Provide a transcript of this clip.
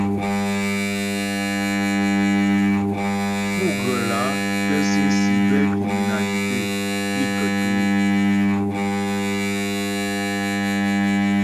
Pú ghə́ lǎ tə́ síŋ cybercriminalité bǐ kətú' ?